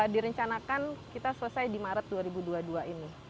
direncanakan kita selesai di maret dua ribu dua puluh dua ini